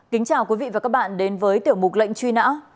kính chào quý vị và các bạn đến với tiểu mục lệnh truy nã